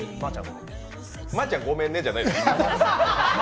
まーちゃんごめんねじゃないですから。